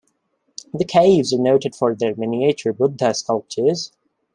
The caves are noted for their miniature Buddha sculptures.